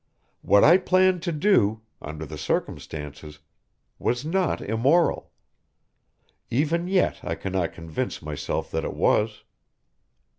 What I planned to do under the circumstances was not immoral. Even yet I cannot convince myself that it was.